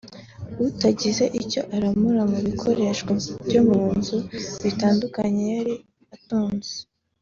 utagize icyo aramura mu bikoresho byo mu nzu bitandukanye yari atunze